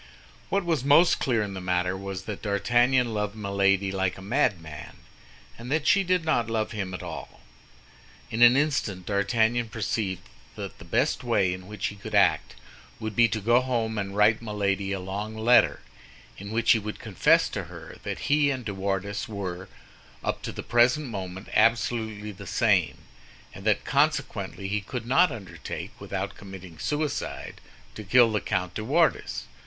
What was most clear in the matter was that D'Artagnan loved Milady like a madman, and that she did not love him at all. In an instant D'Artagnan perceived that the best way in which he could act would be to go home and write Milady a long letter, in which he would confess to her that he and De Wardes were, up to the present moment absolutely the same, and that consequently he could not undertake, without committing suicide, to kill the Comte de Wardes.